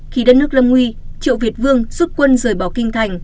khi đất nước lâm nguy triệu việt vương rút quân rời bỏ kinh thành